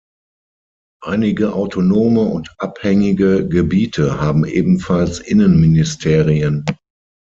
Einige autonome und abhängige Gebiete haben ebenfalls Innenministerien.